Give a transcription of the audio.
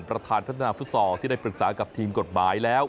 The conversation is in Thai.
ประธานพัฒนาฟุตซอลที่ได้ปรึกษากับทีมกฎหมายแล้ว